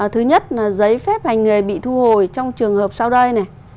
thứ nhất là giấy phép hành nghề bị thu hồi trong trường hợp sau đây này